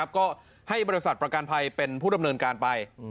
ก็ให้บริษัทประกันภัยเป็นผู้ดำเนินการไป